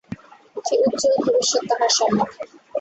কি উজ্জ্বল ভবিষ্যৎ তাহার সম্মুখে!